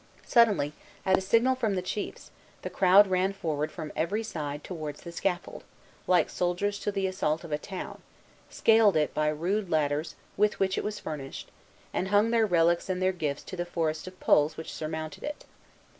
Suddenly, at a signal from the chiefs, the crowd ran forward from every side towards the scaffold, like soldiers to the assault of a town, scaled it by rude ladders with which it was furnished, and hung their relics and their gifts to the forest of poles which surmounted it.